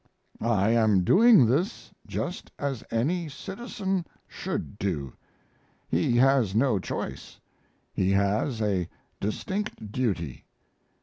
I am doing this just as any citizen should do. He has no choice. He has a distinct duty.